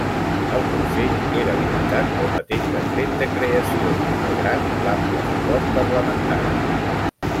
El Consell era limitat pel mateix decret de creació, malgrat l'ample suport parlamentari.